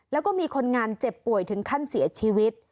แล้วก็มีคนงานเจ็บป่วยถึงขั้นเสียชีวิต